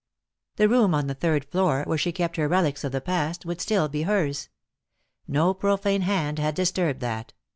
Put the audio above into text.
The room on the third floor, where she kept her relics of the past, would still be hers. No profane hand had disturbed that.